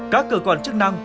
các cơ quan chức năng